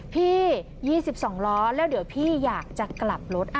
พี่๒๒ล้อแล้วเดี๋ยวพี่อยากจะกลับรถ